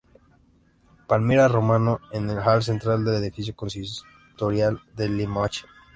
Palmira Romano en el hall central del edificio consistorial de Limache.